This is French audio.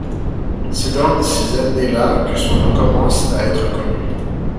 C'est dans ces années-là que son nom commence à être connu.